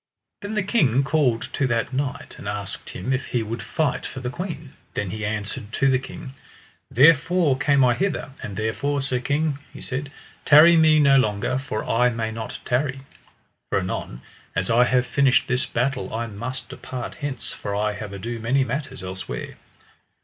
Then the king called to that knight, and asked him if he would fight for the queen. Then he answered to the king: Therefore came I hither, and therefore, sir king, he said, tarry me no longer, for I may not tarry. For anon as I have finished this battle I must depart hence, for I have ado many matters elsewhere.